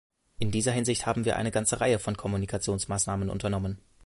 In dieser Hinsicht haben wir eine ganze Reihe von Kommunikationsmaßnahmen unternommen.